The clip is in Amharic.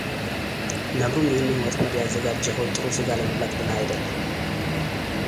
ነብሩም ይህንን ወጥመድ ያዘጋጀኸው ጥሩ ስጋ ለመብላት ብለህ አይደለም::